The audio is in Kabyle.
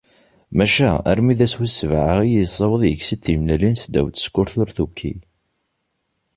Maca armi d ass wis sebεa i yessaweḍ yekkes-d timellalin ddaw tsekkurt ur tuki.